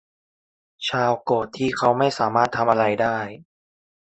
ชาร์ลโกรธที่เขาไม่สามารถทำอะไรได้